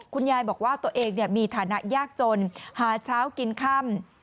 คุณยายบอกว่าตัวเองมีฐานะยากจนหาเช้ากินค่ำ